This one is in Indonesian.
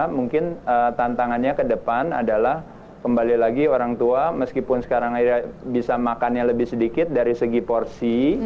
mungkin tantangannya ke depan adalah kembali lagi orang tua meskipun sekarang akhirnya bisa makannya lebih sedikit dari segi porsi